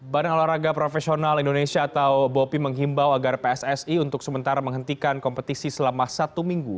badan olahraga profesional indonesia atau bopi menghimbau agar pssi untuk sementara menghentikan kompetisi selama satu minggu